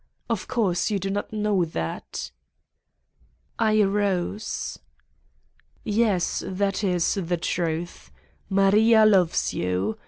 Of course, you do not know that!" I arose. "Yes, that is the truth: Maria loves you.